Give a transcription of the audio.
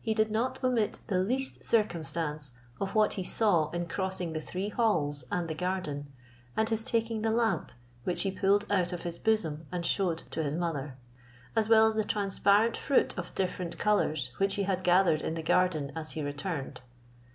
He did not omit the least circumstance of what he saw in crossing the three halls and the garden, and his taking the lamp, which he pulled out of his bosom and shewed to his mother, as well as the transparent fruit of different colours, which he had gathered in the garden as he returned.